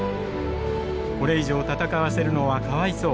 「これ以上戦わせるのはかわいそう。